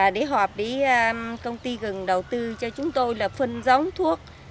để họp với công ty gừng đầu tư cho chúng tôi là phân giống thuốc